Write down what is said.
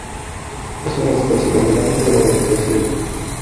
Es una especie dominante de la vegetación.